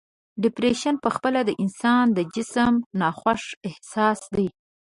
ډپریشن په خپله د انسان د جسم ناخوښ احساس دی.